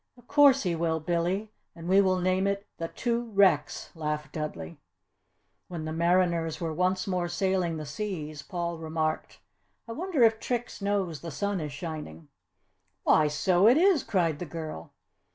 "Of course he will, Billy, and we will name it 'The Two Wrecks,'" laughed Dudley. When the mariners were once more sailing the seas, Paul remarked, "I wonder if Trix knows the sun is shining!" "Why, so it is!" cried the girl.